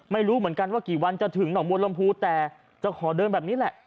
ไม่รู้เหมือนกันว่ากี่วันจะถึงหนองบัวลำพูแต่จะขอเดินแบบนี้แหละ